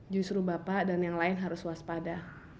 justru bapak dan yang lain harus waspada